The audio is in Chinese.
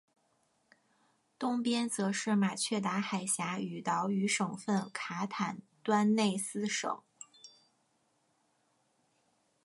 东边则是马却达海峡与岛屿省份卡坦端内斯省。